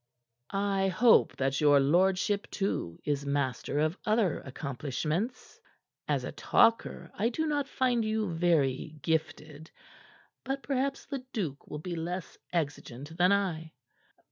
"I hope that your lordship, too, is master of other accomplishments. As a talker, I do not find you very gifted. But perhaps Leduc will be less exigent than I."